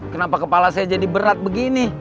kenapa kepala saya jadi berat begini